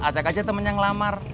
ajak aja temen yang lamar